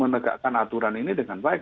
menegakkan aturan ini dengan baik